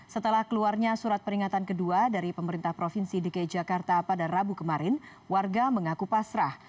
setelah keluarnya surat peringatan kedua dari pemerintah provinsi dki jakarta pada rabu kemarin warga mengaku pasrah